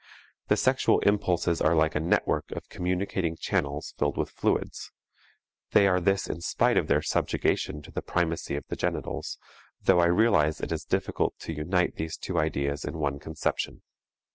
The sexual impulses are like a network of communicating channels filled with fluids; they are this in spite of their subjugation to the primacy of the genitals, though I realize it is difficult to unite these two ideas in one conception.